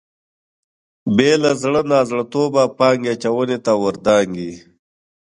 بې له زړه نازړه توبه پانګې اچونې ته ور دانګي.